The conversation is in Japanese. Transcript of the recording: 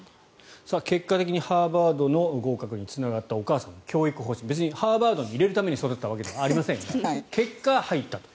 結果的にハーバードの合格につながったお母さんの教育方針別にハーバードに入れるために育てたわけではありませんが結果、入ったと。